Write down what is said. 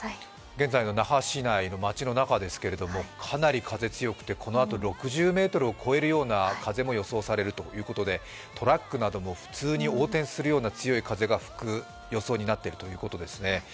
現在の那覇市内の町の中ですけれどもかなり風が強くてこのあと６０ｍを超えるような風も予想されるということでトラックなども普通に横転するような強い風が吹く予想になっています。